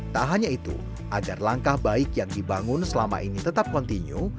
tak hanya itu agar langkah baik yang dibangun selama ini tetap kontinu